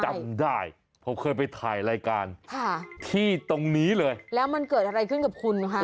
เอาค่ะคุณที่นั้นได้ผมเคยไปถ่ายรายการที่ตรงนี้เลยแล้วมันเกิดอะไรขึ้นกับคุณค่ะ